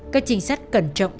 các chính sát cẩn trọng